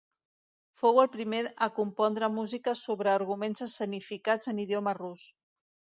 Fou el primer a compondre música sobre arguments escenificats en idioma rus.